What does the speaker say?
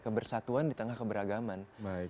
kebersatuan di tengah keberagaman